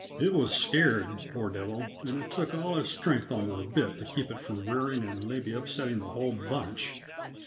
It was scared, poor devil, and it took all his strength on the bit to keep it from rearing and maybe upsetting the whole bunch.